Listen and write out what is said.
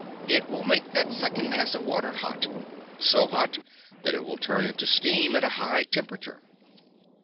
It will make that second mass of water hot, so hot that it will turn into steam at a high temperature."